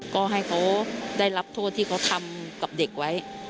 ก็ให้เขาได้รับโทษที่เขาทำกับเด็กไว้